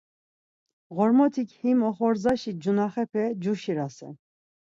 Ğormotik him oxorzaşi cunaxepe cuşirasen.